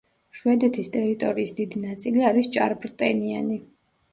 შვედეთის ტერიტორიის დიდი ნაწილი არის ჭარბტენიანი.